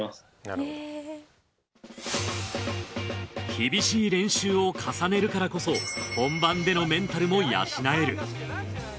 厳しい練習を重ねるからこそ本番でのメンタルも養える